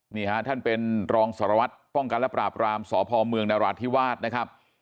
นี่ฮะท่านเป็นรองสารวัตรป้องกันและปราบรามสพเมืองนราธิวาสนะครับ